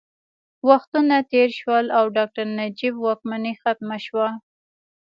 وختونه تېر شول او ډاکټر نجیب واکمني ختمه شوه